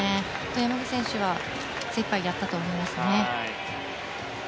山口選手は精いっぱいやったと思いますね。